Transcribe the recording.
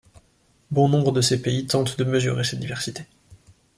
Bon nombre de ces pays tentent de mesurer cette diversité.